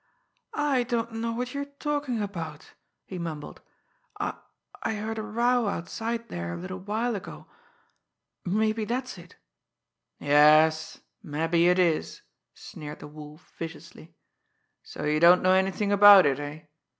"I don't know what you're talking about," he mumbled. "I I heard a row outside there a little while ago. Maybe that's it." "Yes mabbe it is!" sneered the Wolf viciously. "So you don't know anything about it eh?